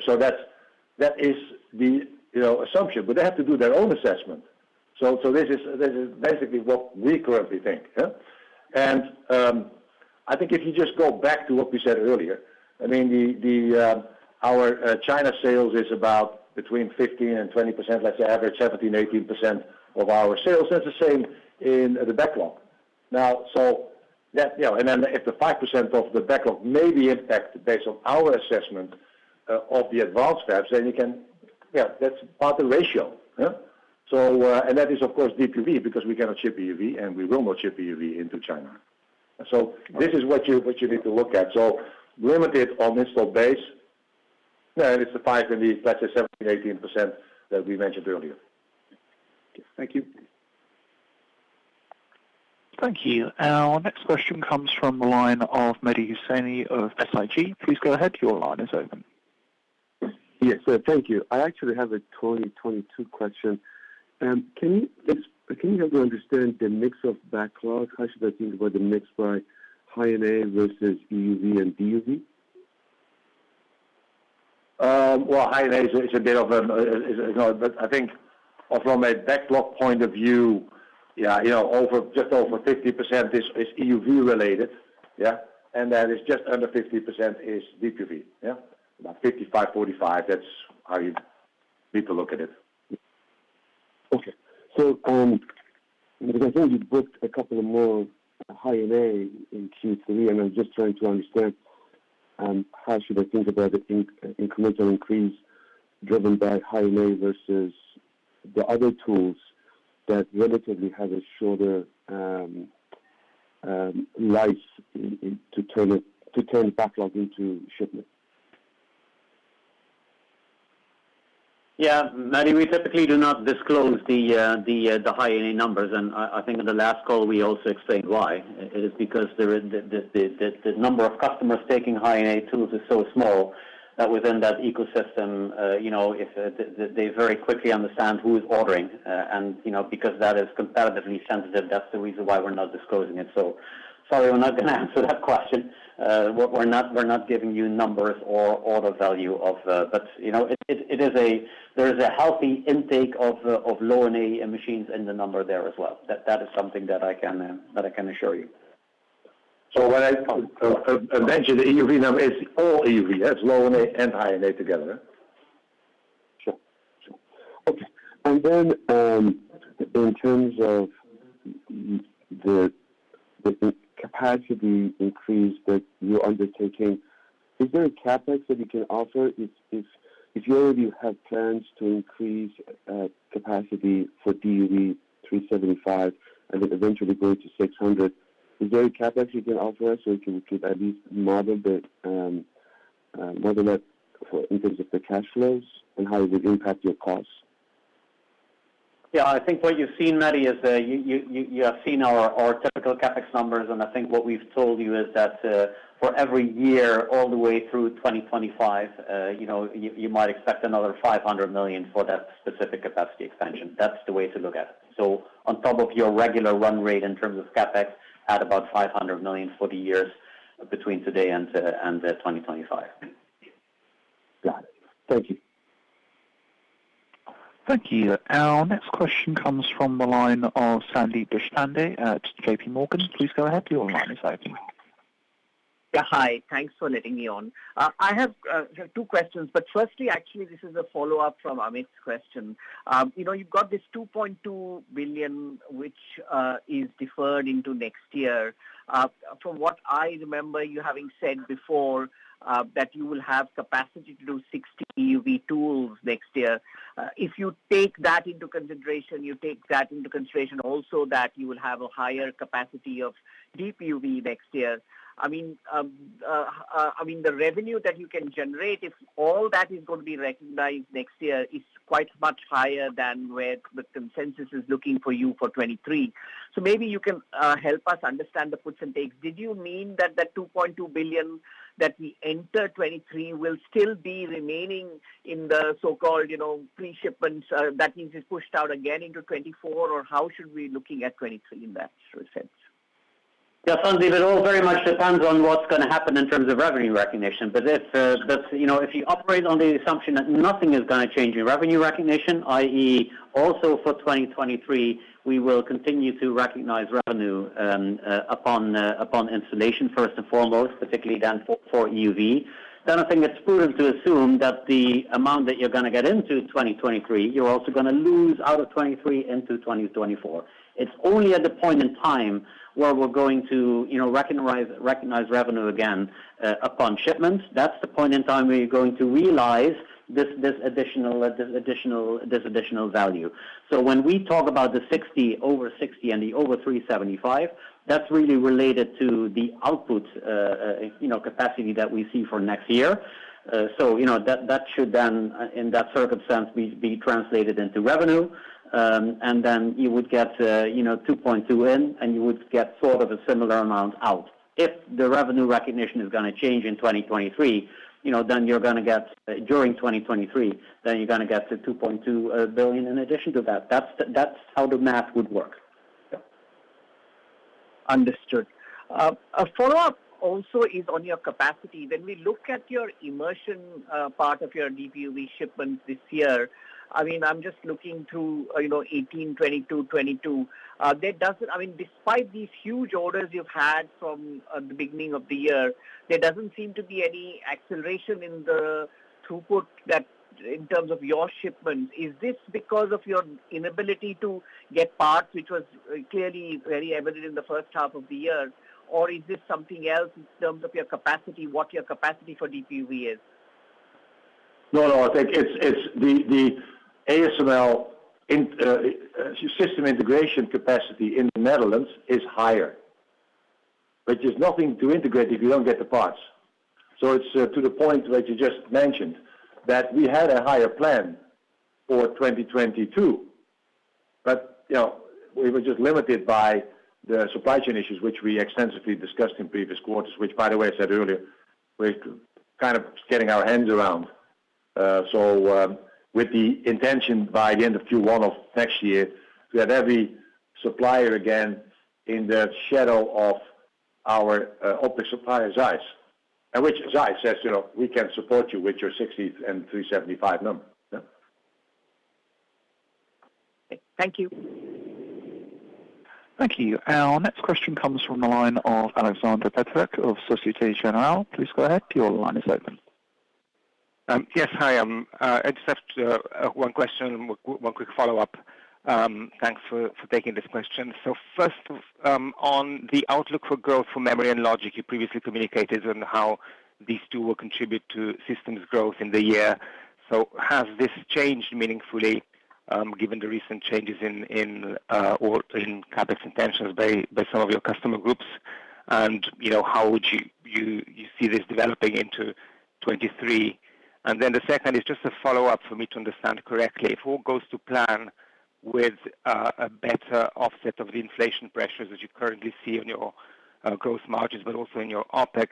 That is the assumption. But they have to do their own assessment. This is basically what we currently think, yeah. I think if you just go back to what we said earlier, I mean, our China sales is about between 15% and 20%. Let's say average 17%-18% of our sales. That's the same in the backlog. Now, you know, then if the 5% of the backlog may be impacted based on our assessment of the advanced fabs, then you can. Yeah, that's part of the ratio. Yeah. That is of course DUV, because we cannot ship EUV and we will not ship EUV into China. This is what you need to look at. Limited on installed base. Yeah, it's the five and the, let's say, 17%-18% that we mentioned earlier. Thank you. Thank you. Our next question comes from the line of Mehdi Hosseini of SIG. Please go ahead, your line is open. Yes. Thank you. I actually have a 2022 question. Can you help me understand the mix of backlog? How should I think about the mix by High NA versus EUV and DUV? Well, High NA is a bit of a. I think from a backlog point of view, yeah, you know, just over 50% is EUV related, yeah. It's just under 50% is DUV, yeah. About 55%-45%, that's how you need to look at it. Because I think you booked a couple more High NA in Q3, and I'm just trying to understand how should I think about the incremental increase driven by High NA versus the other tools that relatively have a shorter lead time to turn backlog into shipment? Yeah. Mehdi, we typically do not disclose the High NA numbers, and I think in the last call we also explained why. It is because the number of customers taking High NA tools is so small that within that ecosystem, you know, if they very quickly understand who is ordering. You know, because that is comparatively sensitive, that's the reason why we're not disclosing it. Sorry, we're not gonna answer that question. We're not giving you numbers or the value of. You know, there is a healthy intake of Low NA machines in the number there as well. That is something that I can assure you. When I mentioned the EUV number, it's all EUV. That's Low NA and High NA together. Sure. Okay. In terms of the capacity increase that you're undertaking, is there a CapEx that you can offer if you already have plans to increase capacity for DUV 375 and then eventually go to 600, is there a CapEx you can offer us so we can at least model the model that in terms of the cash flows and how it would impact your costs? Yeah. I think what you've seen, Mehdi Hosseini, is you have seen our typical CapEx numbers, and I think what we've told you is that for every year all the way through 2025, you know, you might expect another 500 million for that specific capacity expansion. That's the way to look at it. On top of your regular run rate in terms of CapEx, add about 500 million for the years between today and 2025. Got it. Thank you. Thank you. Our next question comes from the line of Sandeep Deshpande at JPMorgan. Please go ahead. Your line is open. Yeah. Hi. Thanks for letting me on. I have two questions, but firstly, actually this is a follow-up from Amit's question. You know, you've got this 2.2 billion which is deferred into next year. From what I remember you having said before, that you will have capacity to do 60 EUV tools next year, if you take that into consideration also that you will have a higher capacity of DUV next year, I mean, the revenue that you can generate, if all that is going to be recognized next year, is quite much higher than where the consensus is looking for you for 2023. Maybe you can help us understand the puts and takes. Did you mean that the 2.2 billion that we enter 2023 will still be remaining in the so-called, you know, pre-shipments? That means it's pushed out again into 2024? How should we looking at 2023 in that sort of sense? Yeah. Sandeep, it all very much depends on what's gonna happen in terms of revenue recognition. You know, if you operate on the assumption that nothing is gonna change in revenue recognition, i.e. also for 2023, we will continue to recognize revenue upon installation first and foremost, particularly then for EUV, then I think it's prudent to assume that the amount that you're gonna get into 2023, you're also gonna lose out of 2023 into 2024. It's only at the point in time where we're going to recognize revenue again upon shipments. That's the point in time where you're going to realize this additional value. When we talk about the 60, over 60 and the over 375, that's really related to the output, you know, capacity that we see for next year. You know, that should then in that circumstance be translated into revenue. And then you would get, you know, 2.2 in, and you would get sort of a similar amount out. If the revenue recognition is gonna change in 2023, you know, then you're gonna get during 2023 the 2.2 billion in addition to that. That's how the math would work. Yep. Understood. A follow-up also is on your capacity. When we look at your immersion part of your DUV shipments this year, I mean, I'm just looking through, you know, 18, 22, there doesn't. I mean, despite these huge orders you've had from the beginning of the year, there doesn't seem to be any acceleration in the throughput that in terms of your shipment. Is this because of your inability to get parts, which was clearly very evident in the first half of the year? Or is this something else in terms of your capacity, what your capacity for DUV is? No. I think it's the ASML system integration capacity in the Netherlands is higher, but there's nothing to integrate if you don't get the parts. To the point that you just mentioned, that we had a higher plan for 2022, but, you know, we were just limited by the supply chain issues, which we extensively discussed in previous quarters, which by the way I said earlier, we're kind of getting our hands around. With the intention by the end of Q1 of next year to have every supplier again in the shadow of our, of the supplier's eyes, and which his eye says, "You know, we can support you with your 60 and 375 number." Yeah. Thank you. Thank you. Our next question comes from the line of Alexander Peterc of Société Générale. Please go ahead. Your line is open. Yes. Hi, I just have one question and one quick follow-up. Thanks for taking these questions. First off, on the outlook for growth for memory and logic, you previously communicated on how these two will contribute to systems growth in the year. Has this changed meaningfully, given the recent changes in CapEx intentions by some of your customer groups? You know, how would you see this developing into 2023? Then the second is just a follow-up for me to understand correctly. If all goes to plan with a better offset of the inflation pressures that you currently see on your growth margins, but also in your OpEx.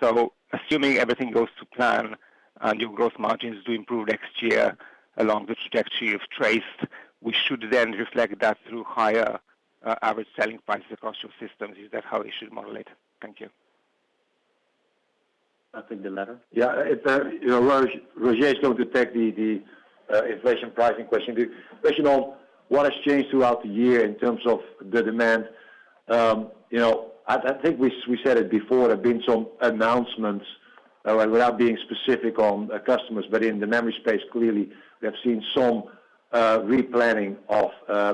Assuming everything goes to plan and your growth margins do improve next year along the trajectory you've traced, we should then reflect that through higher average selling price across your systems. Is that how we should model it? Thank you. I think the latter. Yeah. It's, you know, Roger is going to take the inflation pricing question. The question on what has changed throughout the year in terms of the demand, you know, I think we said it before, there have been some announcements without being specific on customers, but in the memory space, clearly we have seen some replanning of.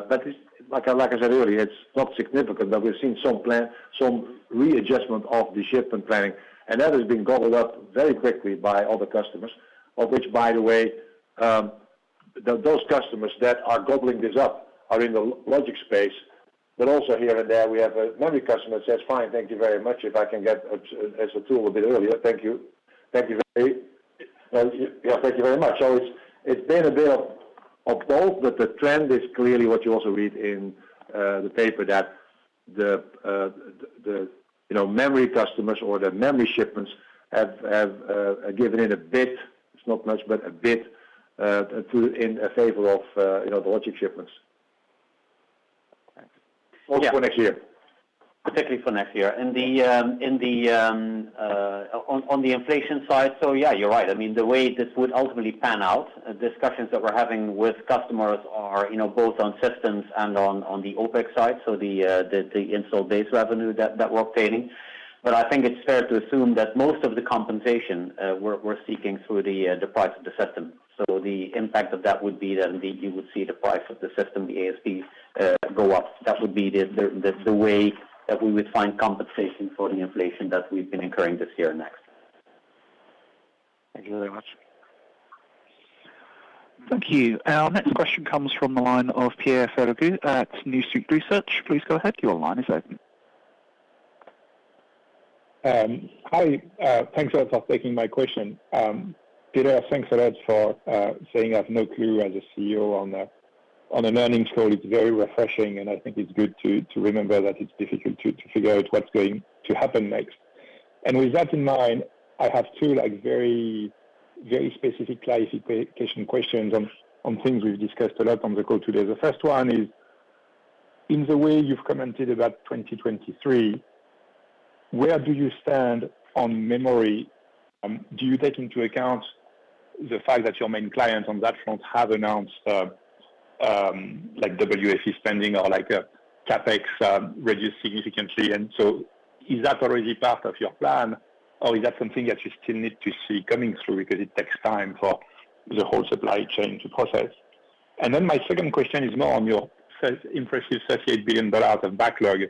But like I said earlier, it's not significant, but we've seen some readjustment of the shipment planning, and that has been gobbled up very quickly by other customers, of which, by the way, those customers that are gobbling this up are in the logic space. But also here and there, we have a memory customer that says, "Fine, thank you very much. If I can get a tool a bit earlier. Thank you very much. Yeah, thank you very much. It's been a bit of both. The trend is clearly what you also read in the paper, that the you know, memory customers or the memory shipments have given it a bit. It's not much, but a bit in favor of you know, the logic shipments. Okay. Yeah. Also for next year. Particularly for next year. On the inflation side, so yeah, you're right. I mean, the way this would ultimately pan out, discussions that we're having with customers are, you know, both on systems and on the OpEx side, so the install base revenue that we're paying. I think it's fair to assume that most of the compensation we're seeking through the price of the system. The impact of that would be that indeed you would see the price of the system, the ASP, go up. That would be the way that we would find compensation for the inflation that we've been incurring this year and next. Thank you very much. Thank you. Our next question comes from the line of Pierre Ferragu at New Street Research. Please go ahead. Your line is open. Hi. Thanks a lot for taking my question. Pierre, thanks a lot for saying I have no clue as a CEO on an earnings call. It's very refreshing, and I think it's good to remember that it's difficult to figure out what's going to happen next. With that in mind, I have 2, like, very, very specific classification questions on things we've discussed a lot on the call today. The first one is, in the way you've commented about 2023, where do you stand on memory? Do you take into account the fact that your main clients on that front have announced like WFE spending or like CapEx reduced significantly? Is that already part of your plan, or is that something that you still need to see coming through because it takes time for the whole supply chain to process? Then my second question is more on your sales, impressive $38 billion of backlog.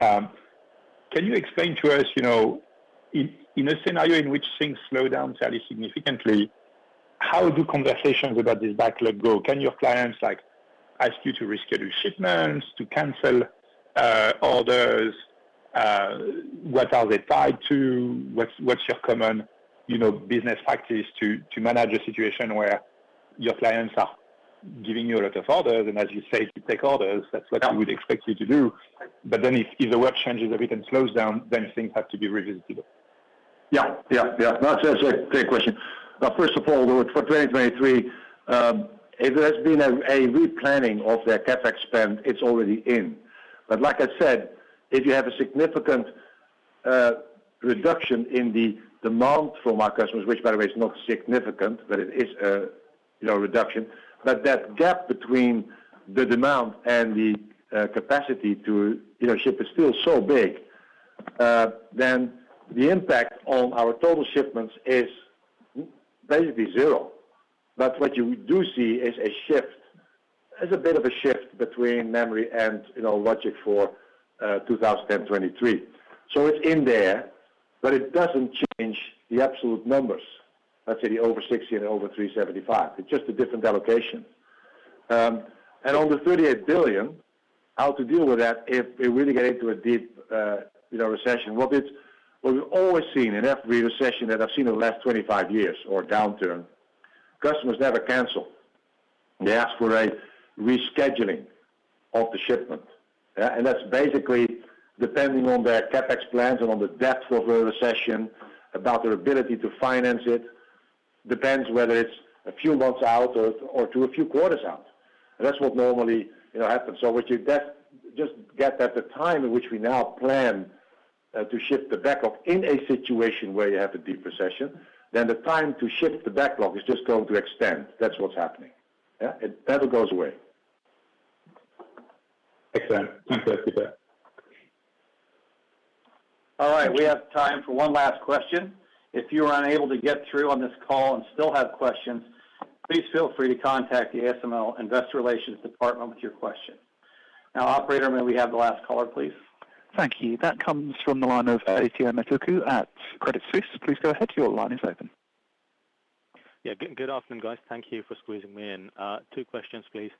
Can you explain to us, you know, in a scenario in which things slow down fairly significantly, how do conversations about this backlog go? Can your clients, like, ask you to reschedule shipments, to cancel orders? What are they tied to? What's your common, you know, business practice to manage a situation where your clients are giving you a lot of orders, and as you say, you take orders, that's what we would expect you to do. But then if the work changes a bit and slows down, then things have to be revisited. No, it's a great question. Now, first of all, for 2023, if there has been a replanning of their CapEx spend, it's already in. Like I said, if you have a significant reduction in the demand from our customers, which by the way is not significant, but it is, you know, a reduction, but that gap between the demand and the capacity to, you know, ship is still so big, then the impact on our total shipments is basically zero. What you do see is a shift. There's a bit of a shift between memory and, you know, logic for 2023. It's in there, but it doesn't change the absolute numbers. Let's say the over 60 and over 375. It's just a different allocation. On the 38 billion, how to deal with that if we really get into a deep, you know, recession. What we've always seen in every recession that I've seen in the last 25 years or downturn, customers never cancel. They ask for a rescheduling of the shipment. Yeah. That's basically depending on their CapEx plans and on the depth of a recession, about their ability to finance it, depends whether it's a few months out or to a few quarters out. That's what normally, you know, happens. What you get, just get at the time in which we now plan to ship the backlog in a situation where you have a deep recession, then the time to ship the backlog is just going to extend. That's what's happening. Yeah. It never goes away. Excellent. Thanks for that. All right. We have time for one last question. If you are unable to get through on this call and still have questions, please feel free to contact the ASML Investor Relations department with your question. Now, operator, may we have the last caller, please? Thank you. That comes from the line of Adithya Metuku at Credit Suisse. Please go ahead. Your line is open. Yeah. Good afternoon, guys. Thank you for squeezing me in. Two questions, please.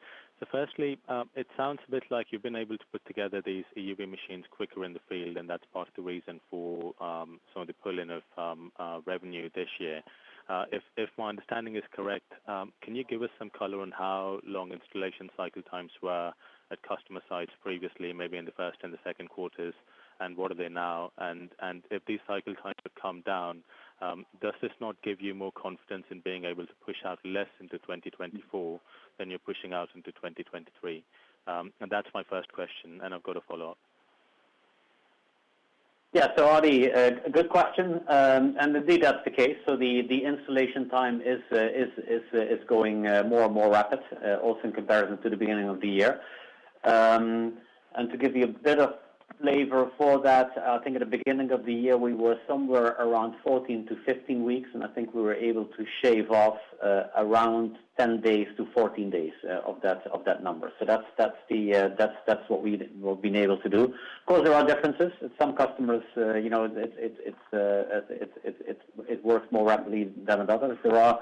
Firstly, it sounds a bit like you've been able to put together these EUV machines quicker in the field, and that's part of the reason for some of the pull-in of revenue this year. If my understanding is correct, can you give us some color on how long installation cycle times were at customer sites previously, maybe in the first and the second quarters, and what are they now? If these cycle times have come down, does this not give you more confidence in being able to push out less into 2024 than you're pushing out into 2023? That's my first question, and I've got a follow-up. Yeah. Adithya, a good question. Indeed that's the case. The installation time is going more and more rapid, also in comparison to the beginning of the year. To give you a bit of flavor for that, I think at the beginning of the year, we were somewhere around 14-15 weeks, and I think we were able to shave off around 10-14 days of that number. That's what we've been able to do. Of course, there are differences. With some customers, you know, it works more rapidly than another. There are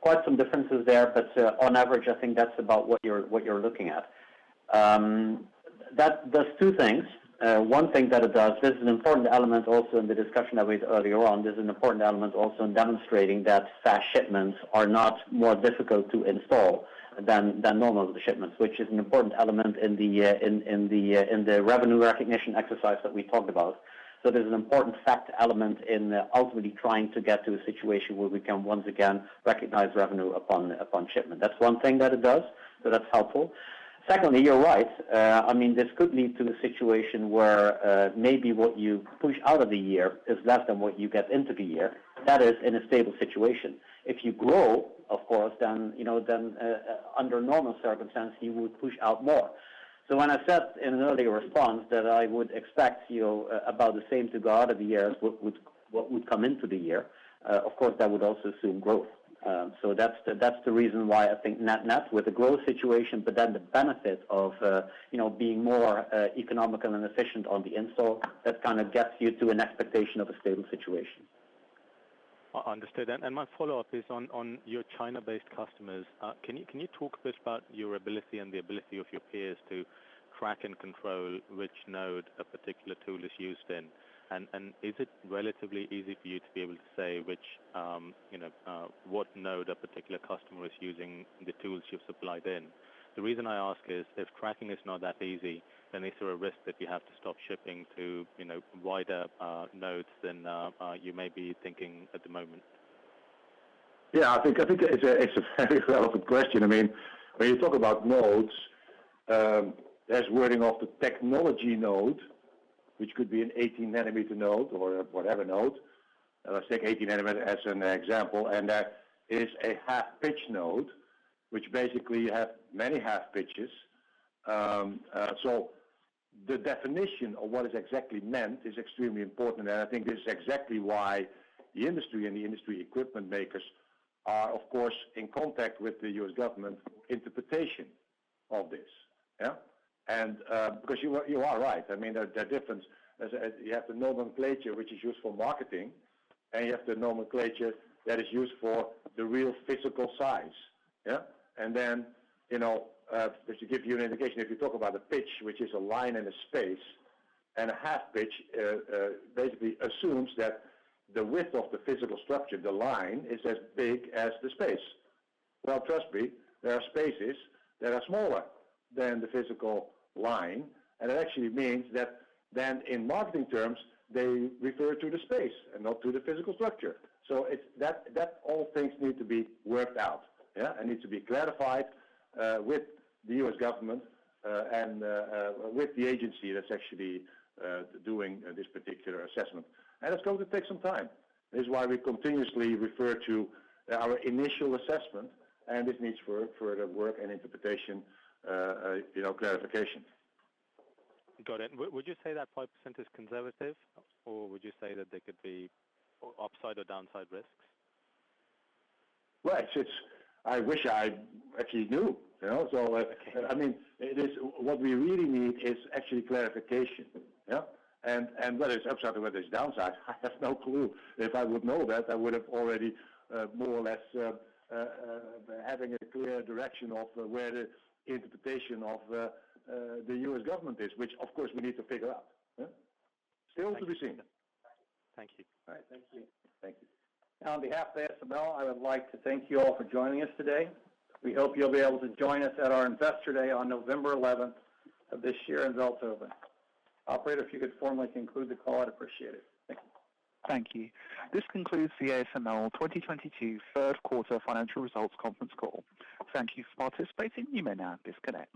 quite some differences there, but on average, I think that's about what you're looking at. That does two things. One thing that it does, this is an important element also in the discussion that was earlier on. This is an important element also in demonstrating that fast shipments are not more difficult to install than normal shipments, which is an important element in the revenue recognition exercise that we talked about. There's an important fact element in ultimately trying to get to a situation where we can once again recognize revenue upon shipment. That's one thing that it does, that's helpful. Secondly, you're right. I mean, this could lead to a situation where maybe what you push out of the year is less than what you get into the year. That is in a stable situation. If you grow, of course, then you know under normal circumstances you would push out more. When I said in an earlier response that I would expect about the same to go out of the year as what would come into the year, of course that would also assume growth. That's the reason why I think net with the growth situation, but then the benefit of you know being more economical and efficient on the install, that kind of gets you to an expectation of a stable situation. Understood. My follow-up is on your China-based customers. Can you talk a bit about your ability and the ability of your peers to track and control which node a particular tool is used in? Is it relatively easy for you to be able to say which, you know, what node a particular customer is using the tools you've supplied in? The reason I ask is if tracking is not that easy, then is there a risk that you have to stop shipping to, you know, wider nodes than you may be thinking at the moment? Yeah, I think it's a very relevant question. I mean, when you talk about nodes, there's wording of the technology node, which could be an 18 nanometer node or whatever node. Let's take 18 nanometer as an example, and that is a half pitch node, which basically you have many half pitches. So the definition of what is exactly meant is extremely important. I think this is exactly why the industry and the industry equipment makers are, of course, in contact with the U.S. government interpretation of this. Yeah. Because you are right. I mean, there are differences. As you have the nomenclature which is used for marketing, and you have the nomenclature that is used for the real physical size. Yeah. You know, just to give you an indication, if you talk about a pitch, which is a line and a space, and a half pitch, basically assumes that the width of the physical structure, the line, is as big as the space. Well, trust me, there are spaces that are smaller than the physical line, and it actually means that then in marketing terms, they refer to the space and not to the physical structure. So it's that all things need to be worked out. Yeah, need to be clarified with the U.S. government, and with the agency that's actually doing this particular assessment. It's going to take some time. This is why we continuously refer to our initial assessment, and this needs further work and interpretation, you know, clarification. Got it. Would you say that 5% is conservative, or would you say that there could be upside or downside risks? Well, I wish I actually knew. You know? I mean, what we really need is actually clarification. Yeah. Whether it's upside or downside, I have no clue. If I would know that, I would have already more or less having a clear direction of where the interpretation of the U.S. government is, which of course we need to figure out. Yeah. Still to be seen. Thank you. All right. Thank you. Thank you. On behalf of ASML, I would like to thank you all for joining us today. We hope you'll be able to join us at our Investor Day on November eleventh of this year in Veldhoven. Operator, if you could formally conclude the call, I'd appreciate it. Thank you. Thank you. This concludes the ASML 2022 third quarter financial results conference call. Thank you for participating. You may now disconnect.